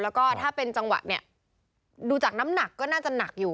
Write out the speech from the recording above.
แล้วก็ถ้าเป็นจังหวะเนี่ยดูจากน้ำหนักก็น่าจะหนักอยู่